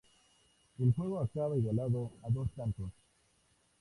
El juego acabó igualado a dos tantos.